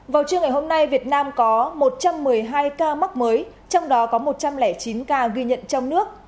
vào trưa ngày hôm nay việt nam có một trăm một mươi hai ca mắc mới trong đó có một trăm linh chín ca ghi nhận trong nước